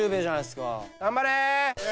頑張れ！